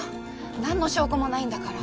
何の証拠もないんだから。